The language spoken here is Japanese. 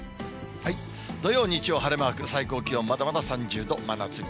土曜、日曜晴れマークで、最高気温まだまだ３０度、真夏日。